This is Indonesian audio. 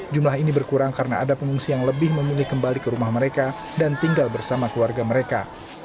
jumlah ini berkurang karena ada pengungsi yang lebih memilih kembali ke rumah mereka dan tinggal bersama keluarga mereka